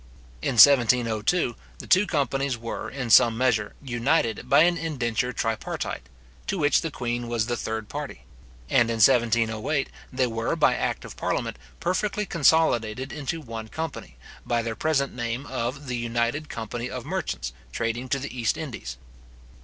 In 1702, the two companies were, in some measure, united by an indenture tripartite, to which the queen was the third party; and in 1708, they were by act of parliament, perfectly consolidated into one company, by their present name of the United Company of Merchants trading to the East Indies.